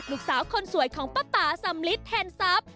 ลูกสาวคนสวยของป้าตาสำลิดแทนทรัพย์